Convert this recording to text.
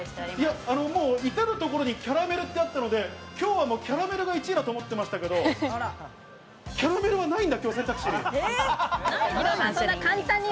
いたるところにキャラメルってあったので、今日はキャラメルが１位だと思ってましたけど、キャラメルはないんだ、選択肢に。